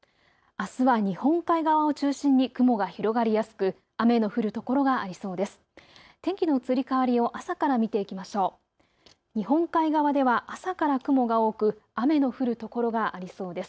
あすは日本海側を中心に雲が広がりやすく雨の降る所がありそうです。